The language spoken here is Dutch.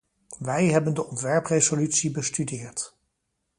Wij hebben de ontwerpresolutie bestudeerd.